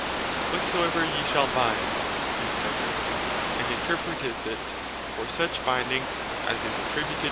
"Whatsoever yee shall bind, &c." and interpreteth it for such Binding as is attributed (Matth.